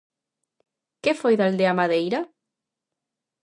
Que foi de Aldea Madeira?